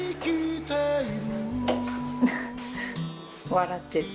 笑ってる。